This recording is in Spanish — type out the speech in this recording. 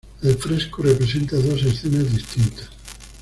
El fresco representa dos escenas distintas.